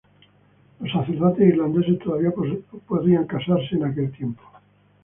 Los sacerdotes islandeses todavía podían casarse en aquel tiempo.